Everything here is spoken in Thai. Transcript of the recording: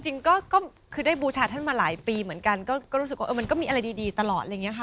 จริงก็คือได้บูชาท่านมาหลายปีเหมือนกันก็รู้สึกว่ามันก็มีอะไรดีตลอดอะไรอย่างนี้ค่ะ